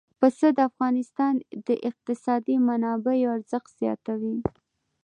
پسه د افغانستان د اقتصادي منابعو ارزښت زیاتوي.